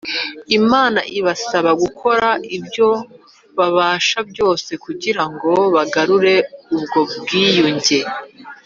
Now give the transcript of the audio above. imana ibasaba gukora ibyo babasha byose kugira ngo bagarure ubwo bwiyunge